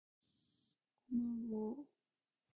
고마워.